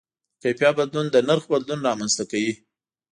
د کیفیت بدلون د نرخ بدلون رامنځته کوي.